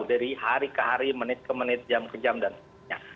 dari hari ke hari menit ke menit jam ke jam dan sebagainya